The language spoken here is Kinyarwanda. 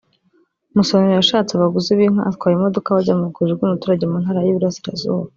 Musonera yashatse abaguzi b’inka atwara imodoka bajya mu rwuri rw’umuturage mu ntara y’Iburasirazuba